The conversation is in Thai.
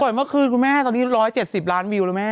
เมื่อคืนคุณแม่ตอนนี้๑๗๐ล้านวิวแล้วแม่